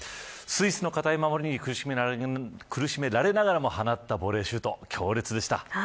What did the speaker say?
スイスの堅い守りに苦しめられながらも放ったボレーシュート強烈でした。